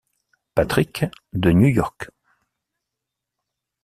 Patrick de New York.